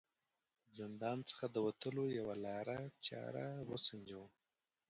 زندان څخه د وتلو یوه لاره چاره و سنجوم.